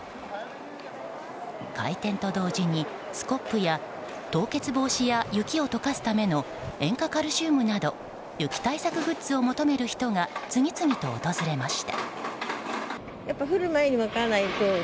開店と同時にスコップや凍結防止や雪を解かすための塩化カルシウムなど雪対策グッズを求める人が次々と訪れました。